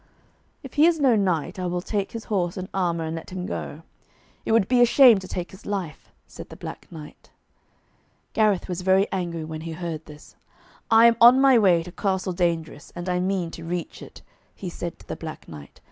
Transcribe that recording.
'If he is no knight, I will take his horse and armour, and let him go. It would be a shame to take his life,' said the Black Knight. Gareth was very angry when he heard this. 'I am on my way to Castle Dangerous, and I mean to reach it,' he said to the Black Knight.